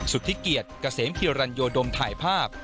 สุดที่เกียจกระเสมฮิรัญโยดมถ่ายภาพ